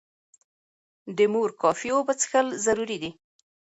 د مور کافي اوبه څښل ضروري دي.